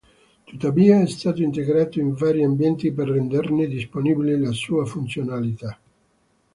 Tuttavia, è stato integrato in vari ambienti per renderne disponibile la sua funzionalità.